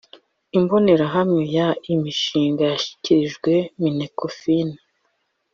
Imbonerahamwe ya imishinga yashyikirijwe minecofin